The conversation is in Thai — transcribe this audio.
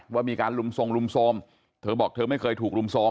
ว่ามีการลุมทรงลุมโทรมเธอบอกเธอไม่เคยถูกรุมโทรม